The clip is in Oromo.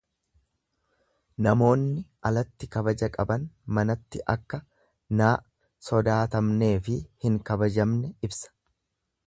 Namoonni alatti kabaja qaban manatti akka n sodaatamneefi hin kabajamne ibsa.